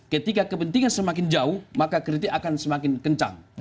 ketika kepentingan semakin jauh maka kritik akan semakin kencang